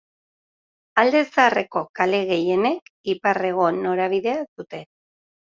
Alde Zaharreko kale gehienek ipar-hego norabidea dute.